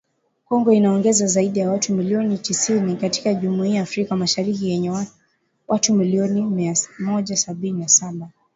Kongo inaongeza zaidi ya watu milioni tisini katika Jumuia ya Afrika Mashariki yenye watu milioni mia moja sabini na saba